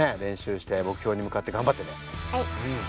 はい。